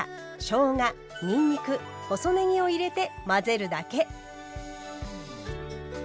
にんにく細ねぎを入れて混ぜるだけ。